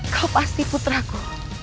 kau pasti putraku